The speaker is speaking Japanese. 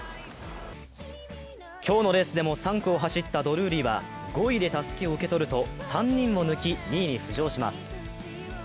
今日のレースでも３区を走ったドルーリーは５位でたすきを受け取ると３人を抜き、２位に浮上します。